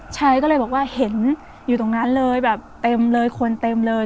ชายก็เลยบอกว่าเห็นอยู่ตรงนั้นเลยแบบเต็มเลยคนเต็มเลย